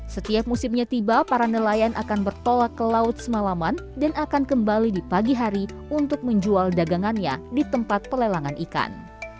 setiap musimnya tiba para nelayan akan bertolak ke laut semalaman dan akan kembali di pagi hari untuk menjual dagangannya di tempat pelelangan ikan